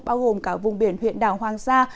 bao gồm cả vùng biển huyện đảo hoàng sa